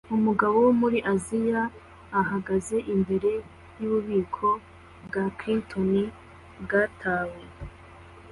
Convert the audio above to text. Umugabo wo muri Aziya ahagaze imbere yububiko bwa Chinatown bwatawe